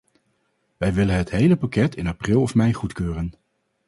Wij willen het hele pakket in april of mei goedkeuren.